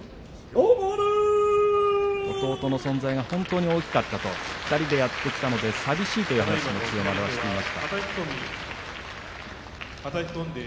弟の存在が本当に大きかったと２人でやってきたので寂しいという話も千代丸はしていました。